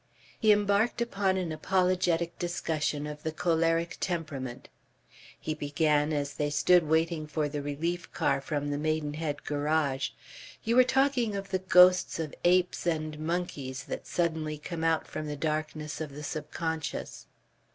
He embarked upon an apologetic discussion of the choleric temperament. He began as they stood waiting for the relief car from the Maidenhead garage. "You were talking of the ghosts of apes and monkeys that suddenly come out from the darkness of the subconscious...."